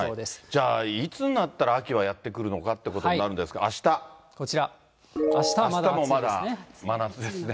じゃあいつになったら秋はやって来るのかっていうことなんでこちら、あしたはまだ暑いでまだ真夏ですね。